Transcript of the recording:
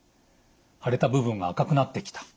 腫れた部分が赤くなってきた。